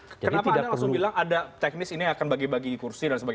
kenapa anda langsung bilang ada teknis ini akan bagi bagi kursi dan sebagainya